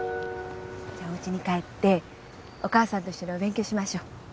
じゃあおうちに帰ってお母さんと一緒にお勉強しましょう。